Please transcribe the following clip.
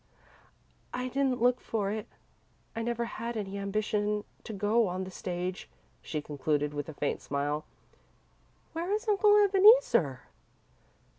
"I didn't look for it. I never had any ambition to go on the stage," she concluded, with a faint smile. "Where is Uncle Ebeneezer?"